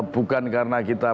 bukan karena kita